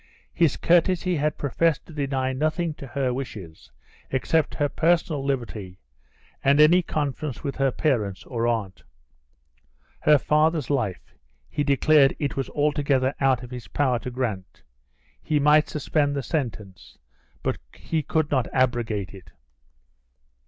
His courtesy had professed to deny nothing to her wishes except her personal liberty and any conference with her parents or aunt. Her father's life, he declared it was altogether out of his power to grant. He might suspend the sentence, but he could not abrogate it.